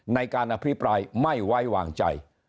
ในการอภิปรายไม่ไว้วางใจ